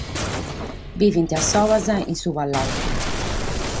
Bivent solas in su palatzu.